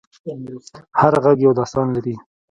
هر غږ یو داستان لري.